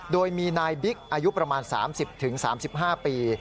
โดยมีนายบิ๊กอายุประมาณ๓๐๓๕ปี